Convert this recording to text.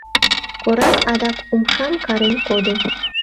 Корак адак умшам карен кодо...